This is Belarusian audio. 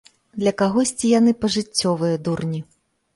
Для кагосьці яны пажыццёвыя дурні.